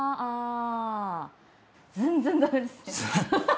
全然ダメですね。